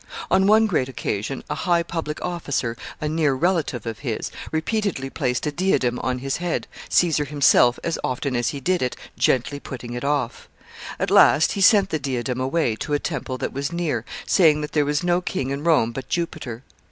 On one great occasion, a high public officer, a near relative of his, repeatedly placed a diadem upon his head, Caesar himself, as often as he did it, gently putting it off. At last he sent the diadem away to a temple that was near, saying that there was no king in Rome but Jupiter.